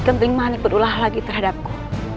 rai kentling manik berulah lagi terhadapku